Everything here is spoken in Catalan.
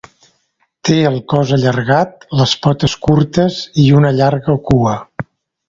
Té el cos allargat, les potes curtes i una llarga cua.